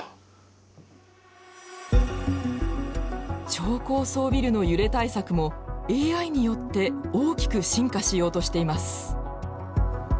超高層ビルの揺れ対策もＡＩによって大きく進化しようとしています。